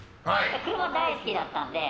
車、大好きだったので。